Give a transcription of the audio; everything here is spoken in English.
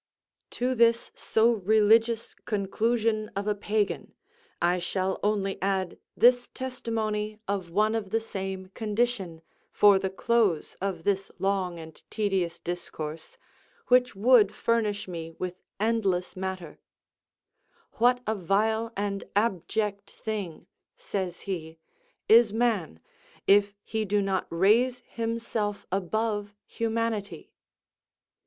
To this so religious conclusion of a pagan I shall only add this testimony of one of the same condition, for the close of this long and tedious discourse, which would furnish me with endless matter: "What a vile and abject thing," says he, "is man, if he do not raise himself above humanity!"